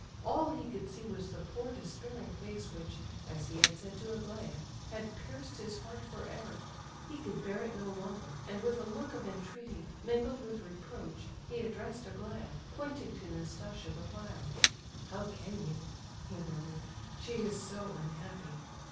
All he could see was the poor despairing face which, as he had said to Aglaya, "had pierced his heart for ever." He could bear it no longer, and with a look of entreaty, mingled with reproach, he addressed Aglaya, pointing to Nastasia the while: "How can you?" he murmured; "she is so unhappy."